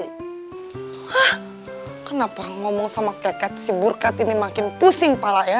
hah kenapa ngomong sama keket si burkat ini makin pusing pala ya